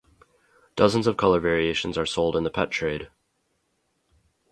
Dozens of color variations are sold in the pet trade.